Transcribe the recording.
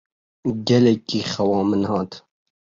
Gelekî xewa min hat.